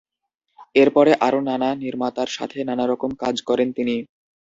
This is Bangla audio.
এরপরে আরো নানা নির্মাতার সাথে নানারকম কাজ করেন তিনি।